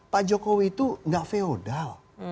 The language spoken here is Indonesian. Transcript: pak jokowi itu gak feodal